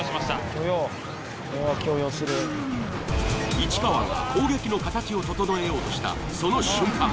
市川が攻撃の形を整えようとしたその瞬間。